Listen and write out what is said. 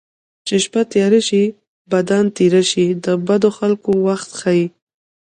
چې شپه تیاره شي بدان تېره شي د بدو خلکو وخت ښيي